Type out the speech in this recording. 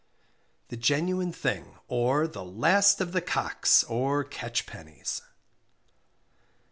THE GENUINE THING OR The Last of the "Cocks," or "Catchpennies."